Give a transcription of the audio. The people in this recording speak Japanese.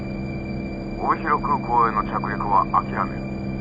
帯広空港への着陸は諦める。